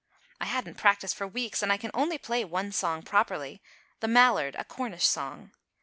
I hadn't practised for weeks, and I can only play one song properly, "The Mallard," a Cornish song.